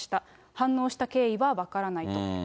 反応した経緯は分からないと。